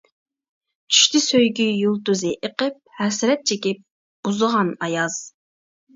چۈشتى سۆيگۈ يۇلتۇزى ئېقىپ. ھەسرەت چېكىپ ئۇزىغان ئاياز.